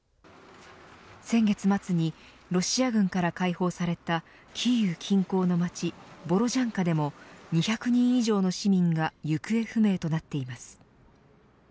先月末にロシア軍から解放されたキーウ近郊の街ボロジャンカでも２００人以上の市民が行方不明となっています。